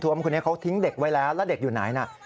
คนนี้เขาทิ้งเด็กไว้แล้วแล้วเด็กอยู่ไหนนะ